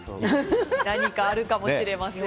何かあるかもしれませんね。